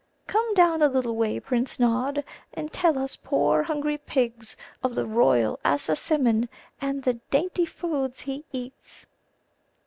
Come down a little way, Prince Nod, and tell us poor hungry pigs of the royal Assasimmon and the dainty food he eats."